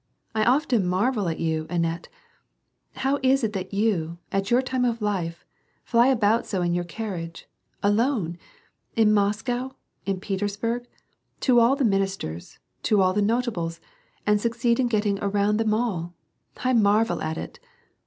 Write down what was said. I often marvel at you, Annette ; how it is that you, at your time of life, fly about so in your carriage, alone, in Moscow, in Petersburg, to all the ministers, to all the notables, and succeed in getting around them all, I marvel at it